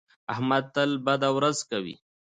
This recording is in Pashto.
احمد تل بده ورځ کوي.